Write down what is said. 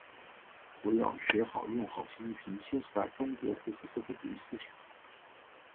围绕学好、用好习近平新时代中国特色社会主义思想